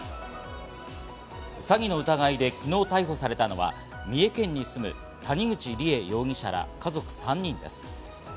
詐欺の疑いで昨日逮捕されたのは三重県に住む谷口梨恵容疑者ら家族３人です。